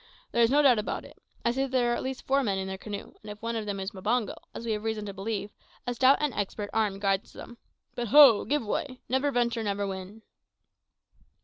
There is no doubt about it. I see that there are at least four men in their canoe, and if one of them is Mbango, as we have reason to believe, a stout and expert arm guides them. But ho! give way! `never venture, never win.'"